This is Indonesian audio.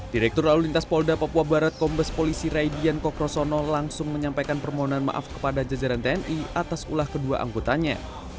direktur lalu lintas polda papua barat kombes polisi raidian kokrosono langsung menyampaikan permohonan maaf kepada jajaran tni atas ulah kedua anggotanya